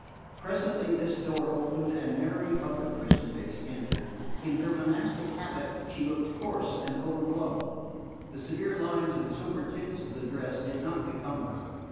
Presently this door opened and Mary of the Crucifix entered. In her monastic habit she looked coarse and overblown: the severe lines and sober tints of the dress did not become her.